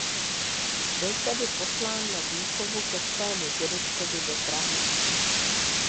Byl tedy poslán na výchovu ke svému dědečkovi do Prahy.